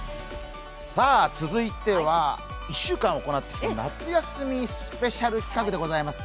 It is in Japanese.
続いては１週間行ってきた夏休みスペシャル企画でございます。